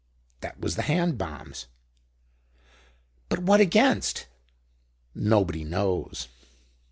That was the hand bombs." "But what against?" "Nobody knows."